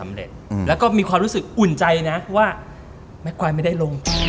เพราะว่าแมคไวท์ไม่ได้ลง